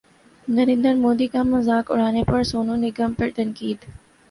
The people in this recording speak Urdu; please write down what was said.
نریندر مودی کا مذاق اڑانے پر سونو نگم پر تنقید